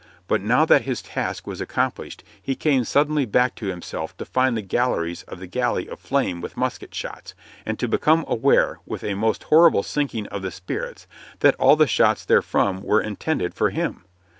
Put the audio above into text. But now that his task was accomplished, he came suddenly back to himself to find the galleries of the galley aflame with musket shots, and to become aware with a most horrible sinking of the spirits that all the shots therefrom were intended for him.